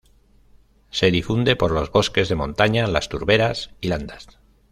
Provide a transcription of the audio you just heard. Se difunde por los bosques de montaña, las turberas y landas.